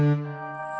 iya orang baru